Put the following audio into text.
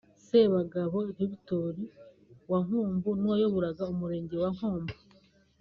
Sebagabo Victor wa Nkungu n’uwayoboraga Umurenge wa Nkombo